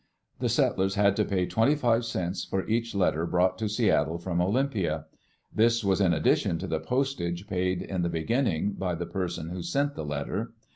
The settlers had to pay twenty five cents for each letter brou^t to Seattle from Olympla; this was in addition to the postage paid in the beginning by the person who sent the letter.